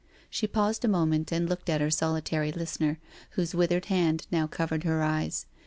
She paused a moment and looked at her solitary listener, whose withered hand now covered her eyes.